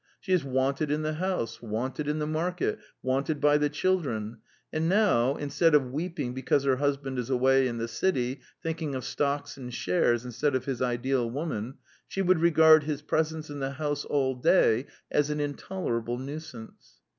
She is wanted in the house, wanted in the market, wanted by the children; and now, instead of weeping because her husband is away in the city, thinking of stocks and shares instead of his ideal woman, she would regard his presence in the house all day as an intolerable nuisance.